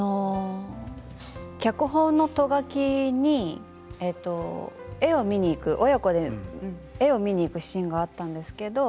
脚本のト書きに親子で絵を見に行くシーンがあったんですけれど